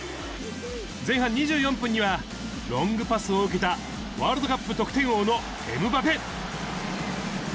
前半２４分には、ロングパスを受けた、ワールドカップ得点王のエムバペ。